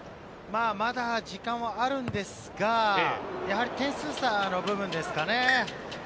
まだ時間はあるんですが、やはり点数差の部分ですかね。